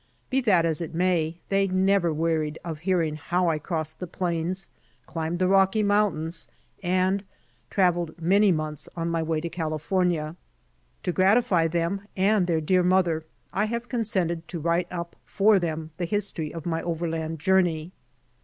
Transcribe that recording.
Be that as it miay, they never wearied of hear ing how I crossed the plains, climbed the Rocky mountains and traveled many months on my way to California. To gratify them and their dear mother I have consented to write up for them the history of my overland journey.